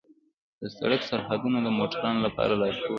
د سړک سرحدونه د موټروانو لپاره لارښود وي.